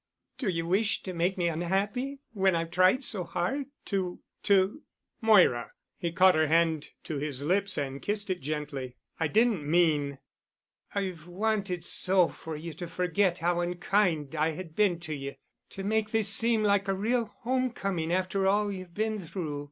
"Do you wish to make me unhappy—when I've tried so hard to—to——" "Moira!" He caught her hand to his lips and kissed it gently, "I didn't mean——" "I've wanted so for you to forget how unkind I had been to you—to make this seem like a real homecoming after all you've been through.